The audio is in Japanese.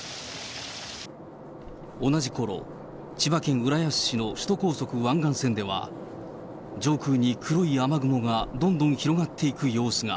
同じころ、千葉県浦安市の首都高速湾岸線では、上空に黒い雨雲がどんどん広がっていく様子が。